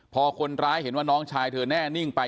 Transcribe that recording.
พอคนร้ายเห็นว่าน้องชายเธอแน่นิ่งไป